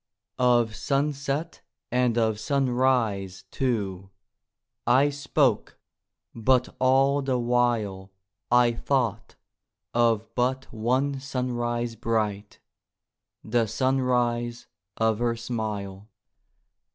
Of sunset and of sunrise, too, I spoke, but all the while I thought of but one sunrise bright— The sunrise of her smile.